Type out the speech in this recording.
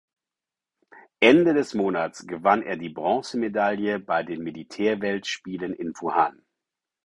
Ende des Monats gewann er die Bronzemedaille bei den Militärweltspielen in Wuhan.